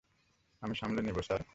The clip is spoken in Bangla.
আমি সামলে নেব, স্যার।